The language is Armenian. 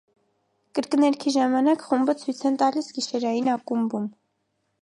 Կրկներգի ժամանակ խումբը ցույց են տալիս գիշերային ակումբում։